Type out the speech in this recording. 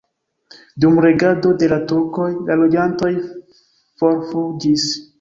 Dum regado de la turkoj la loĝantoj forfuĝis.